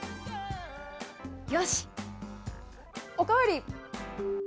よし、お代わり！